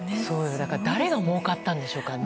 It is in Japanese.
だから、誰がもうかったんでしょうかね。